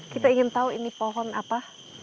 kita ingin tahu ini pohon apa